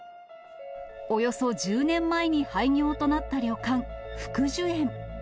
およそ１０年前に廃業となった旅館、福寿苑。